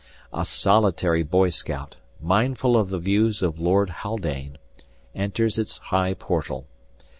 A solitary boy scout, mindful of the views of Lord Haldane, enters its high portal.